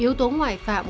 yếu tố ngoại phạm